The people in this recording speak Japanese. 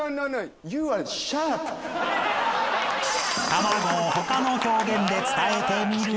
［卵を他の表現で伝えてみる］